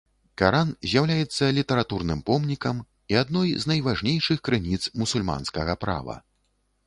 Каран з'яўляецца літаратурным помнікам і адной з найважнейшых крыніц мусульманскага права.